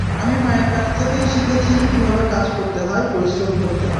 আমি মায়ের কাছ থেকেই শিখেছি কীভাবে কাজ করতে হয়, পরিশ্রম করতে হয়।